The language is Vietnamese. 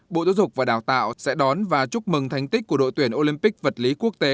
bộ giáo dục và đào tạo sẽ đón và chúc mừng thành tích của đội tuyển olympic vật lý quốc tế